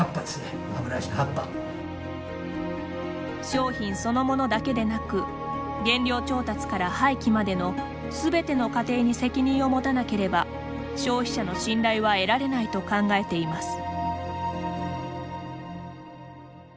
商品そのものだけでなく原料調達から廃棄までの全ての過程に責任を持たなければ消費者の信頼は得られないと考えています。